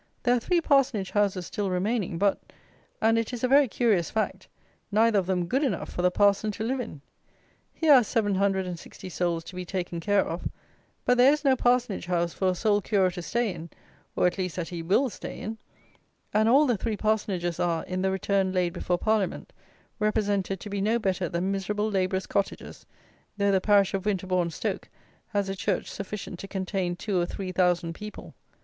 There are three parsonage houses still remaining; but, and it is a very curious fact, neither of them good enough for the parson to live in! Here are seven hundred and sixty souls to be taken care of, but there is no parsonage house for a soul curer to stay in, or at least that he will stay in; and all the three parsonages are, in the return laid before Parliament, represented to be no better than miserable labourers' cottages, though the parish of Winterborne Stoke has a church sufficient to contain two or three thousand people.